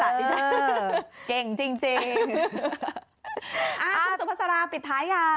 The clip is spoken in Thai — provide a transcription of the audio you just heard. อ่าชุดสมัสราปิดท้ายหรือยัง